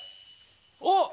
あっ！